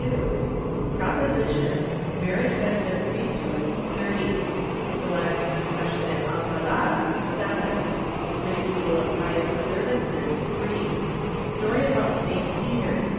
52 Propositions, Marriage better than priesthood .. 30 Scholastic discussion at Alcala 7 Ridicule of pious observ ances 3 Story about St. Peter